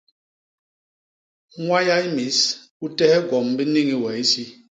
Ñwayay mis u tehe gwom bi niñi we isi.